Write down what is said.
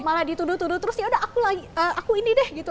malah dituduh tuduh terus yaudah aku ini deh gitu